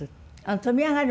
飛び上がる